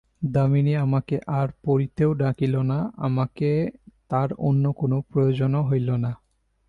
দামিনী আমাকে আর পড়িতেও ডাকিল না, আমাকে তার অন্য কোনো প্রয়োজনও হইল না।